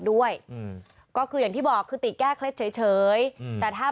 ด้วยอืมก็คืออย่างที่บอกคือติแก้เคล็ดเฉยเฉยอืมแต่ถ้า